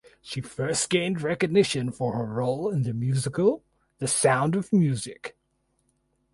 She first gained recognition for her role in the musical "The Sound of Music".